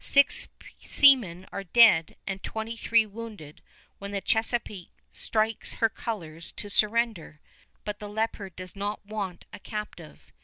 Six seamen are dead and twenty three wounded when the Chesapeake strikes her colors to surrender; but the Leopard does not want a captive.